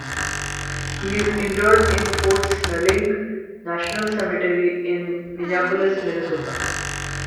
He is interred in Fort Snelling National Cemetery in Minneapolis, Minnesota.